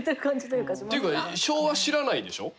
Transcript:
ていうか昭和知らないでしょう。